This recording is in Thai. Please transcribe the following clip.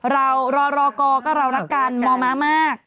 รอก็เรารักกันมอมมาก